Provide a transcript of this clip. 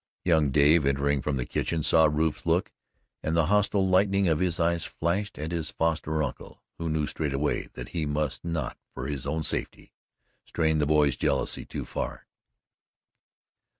Young Dave, entering from the kitchen, saw Rufe's look and the hostile lightning of his own eyes flashed at his foster uncle, who knew straightway that he must not for his own safety strain the boy's jealousy too far.